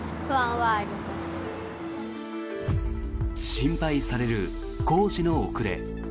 心配される工事の遅れ。